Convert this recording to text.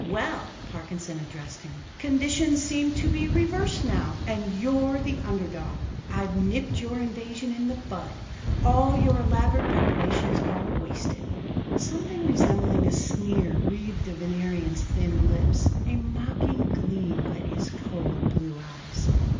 "Well," Parkinson addressed him, "conditions seem to be reversed now, and you're the underdog. I've nipped your invasion in the bud. All your elaborate preparations are wasted." Something resembling a sneer wreathed the Venerian's thin lips; a mocking gleam lit his cold, blue eyes.